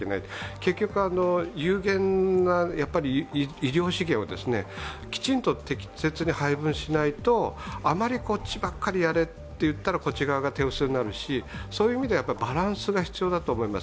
結局、有限な医療資源をきちんと適切に配分しないとあまりこっちばっかりやれというと、こっち側が手薄になるしそういう意味ではバランスが必要だと思います。